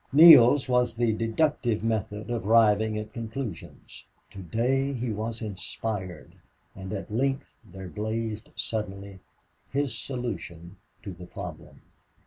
Neale's was the deductive method of arriving at conclusions. Today he was inspired. And at length there blazed suddenly his solution to the problem.